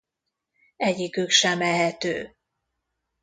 Egyikük sem ehető.